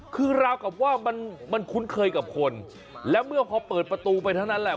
คือราวกับว่ามันมันคุ้นเคยกับคนแล้วเมื่อพอเปิดประตูไปเท่านั้นแหละ